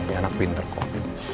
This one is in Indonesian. ini anak pinter kok